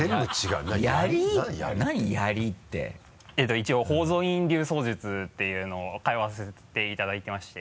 一応宝蔵院流槍術っていうのを通わせていただいてまして。